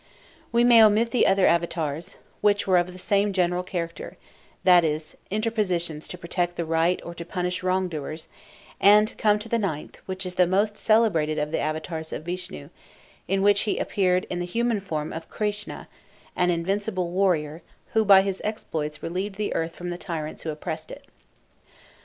We may omit the other Avatars, which were of the same general character, that is, interpositions to protect the right or to punish wrong doers, and come to the ninth, which is the most celebrated of the Avatars of Vishnu, in which he appeared in the human form of Krishna, an invincible warrior, who by his exploits relieved the earth from the tyrants who oppressed it.